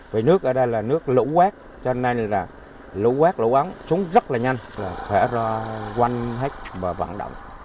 vì nước ở đây là nước lũ quát cho nên là lũ quát lũ ấm xuống rất là nhanh khỏe ra quanh hết và vận động